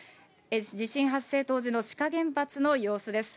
地震発生当時の志賀原発の様子です。